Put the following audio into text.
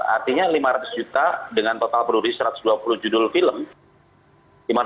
artinya lima ratus juta dengan total produksi satu ratus dua puluh judul film